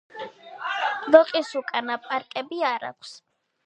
ლოყისუკანა პარკები არ აქვს.